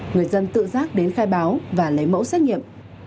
người dân tự giác đến khai báo và lấy mẫu xét nghiệm